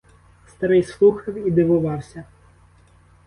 Старий слухав і дивувався.